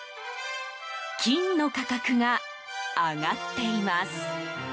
金の価格が上がっています。